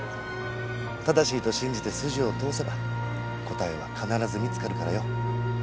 正しいと信じて筋を通せば答えは必ず見つかるからよ。